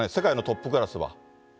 世界のトップクラスは。